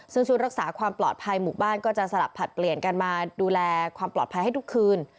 ซึ่งชุดรักษาความปลอดภัยหมู่บ้านก็จะสลับผลัดเปลี่ยนกันมาดูแลความปลอดภัยให้ทุกคืน